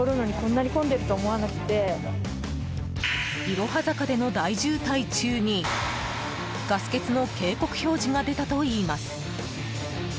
いろは坂での大渋滞中にガス欠の警告表示が出たといいます。